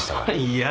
いや。